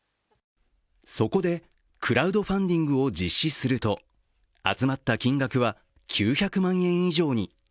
そこでクラウドファンディングを実施すると集まった金額は９００万円以上に。